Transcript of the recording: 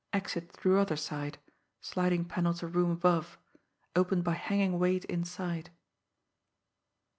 exit through other side ... sliding panel to room above ... opened by hanging weight inside